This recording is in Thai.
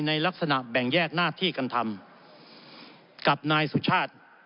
ในลักษณะแบ่งแยกหน้าที่กันทำกับนายสุชาติ